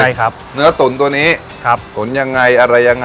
ใช่ครับเนื้อตุ๋นตัวนี้ครับตุ๋นยังไงอะไรยังไง